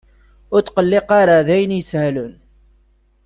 Ur ttqelliq ara! D ayen isehlen.